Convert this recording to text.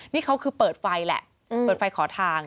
นี่เขาคือเปิดไฟแหละเปิดไฟขอทาง